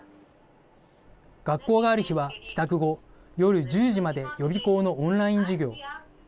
学校がある日は帰宅後夜１０時まで予備校のオンライン授業。